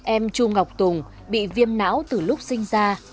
em chu ngọc tùng bị viêm não từ lúc sinh ra